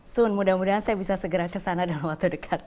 sun mudah mudahan saya bisa segera ke sana dalam waktu dekat